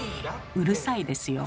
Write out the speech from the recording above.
うるさいですよ。